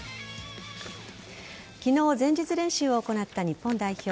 昨日、前日練習を行った日本代表。